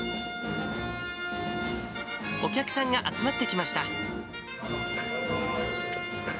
お客さんが集まってきました。